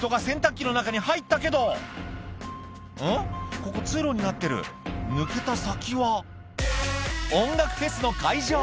ここ通路になってる抜けた先は音楽フェスの会場！